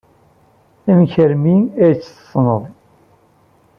Amek armi ay tt-tessneḍ?